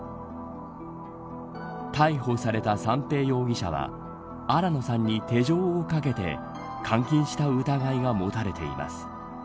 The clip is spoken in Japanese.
逮捕された三瓶容疑者は新野さんに手錠をかけて監禁した疑いが持たれています。